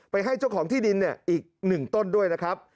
ไปให้เจ้าของที่ดินเนี่ยอีกหนึ่งต้นด้วยนะครับ